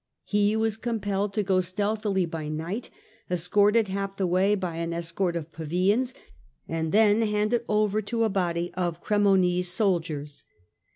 He was compelled to go stealthily by night, escorted half the way by an escort of Pavians and then handed over to a body of Cremonese soldiers.